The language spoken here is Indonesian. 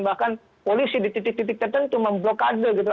bahkan polisi di titik titik tertentu memblokade gitu